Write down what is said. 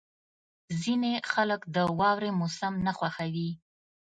• ځینې خلک د واورې موسم نه خوښوي.